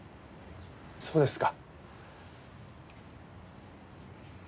そうですか。